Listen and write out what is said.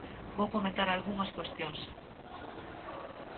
Vou comentar algunhas cuestións.